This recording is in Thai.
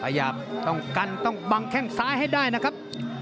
อยากต้องกันต้องบังแข้งซ้ายให้ได้นะครับ